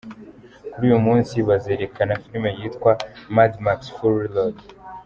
Kuri uyu munsi bazerekana film yitwa ‘Mad Max Fury Road’.